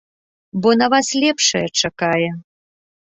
Бо на вас лепшая чакае.